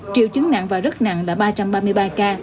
triệu chứng nặng và rất nặng là ba trăm ba mươi ba ca